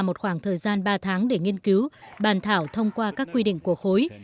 một khoảng thời gian ba tháng để nghiên cứu bàn thảo thông qua các quy định của khối